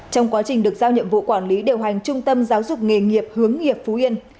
trong quá trình được giao nhiệm vụ quản lý điều hành trung tâm giáo dục nghề nghiệp hướng nghiệp phú yên